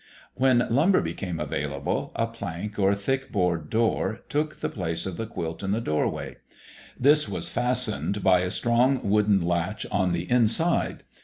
When lumber became available, a plank or thick board door took the place of the quilt in the doorway. This was fastened by a strong wooden latch on the inside.